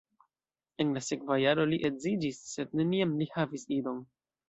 En la sekva jaro li edziĝis sed neniam li havis idon.